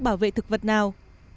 bảo vệ thực vật nào